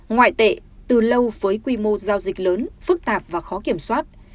ngoại tệ từ lâu với quy mô giao dịch lớn phức tạp và khó kiểm soát